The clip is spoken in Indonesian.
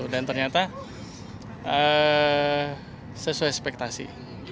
dan ternyata sesuai spektasi